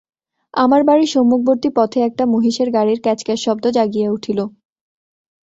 আমার বাড়ির সম্মুখবর্তী পথে একটা মহিষের গাড়ির ক্যাঁচ ক্যাঁচ শব্দ জাগিয়া উঠিল।